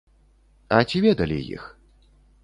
А ці ведалі іх?